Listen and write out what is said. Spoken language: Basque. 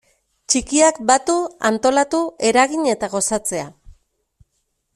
Txikiak batu, antolatu, eragin eta gozatzea.